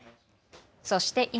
そして今。